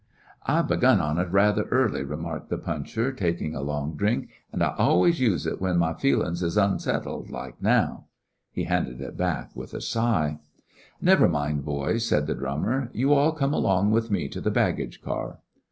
"I begun on 't rather early," remarked the puncher, taking a long drink, "an' I always use it when my feelin's is onsettled, like now." He handed it back with a sigh. "Never mind, boys," said the drummer. "You all come along with me to the baggage car."